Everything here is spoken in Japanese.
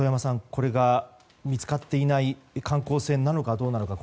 これが見つかっていない観光船なのかどうなのか